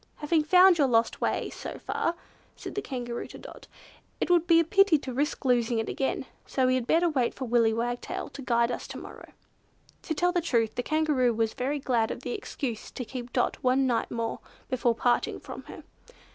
"Having found your lost way so far!" said the Kangaroo to Dot, "it would be a pity to risk losing it again, so we had better wait for Willy Wagtail to guide us to morrow." To tell the truth, the Kangaroo was very glad of the excuse to keep Dot one night more before parting from her.